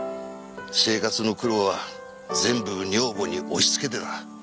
生活の苦労は全部女房に押しつけてた。